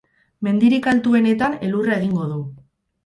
Mendirik altuenetan elurra egingo du.